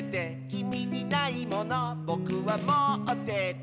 「きみにないものぼくはもってて」